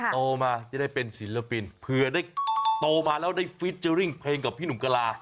โตมาจะได้เป็นศิลปินเผื่อได้โตมาแล้วได้ฟิเจอร์ริ่งเพลงกับพี่หนุ่มกะลา